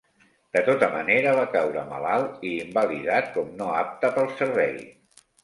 De tota manera, va caure malalt i invalidat com no apte pel servei.